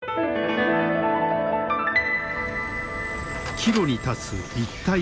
岐路に立つ一帯一路。